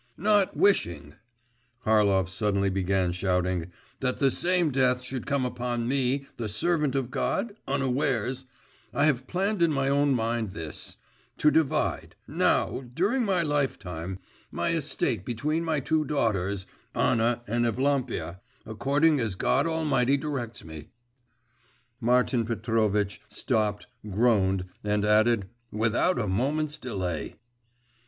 Not wishing,' Harlov suddenly began shouting, 'that the same death should come upon me, the servant of God, unawares, I have planned in my own mind this: to divide now during my lifetime my estate between my two daughters, Anna and Evlampia, according as God Almighty directs me ' Martin Petrovitch stopped, groaned, and added, 'without a moment's delay.